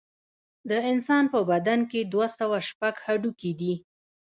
د انسان په بدن کې دوه سوه شپږ هډوکي دي